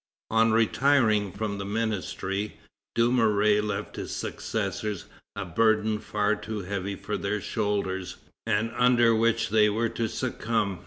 On retiring from the ministry, Dumouriez left his successors a burden far too heavy for their shoulders, and under which they were to succumb.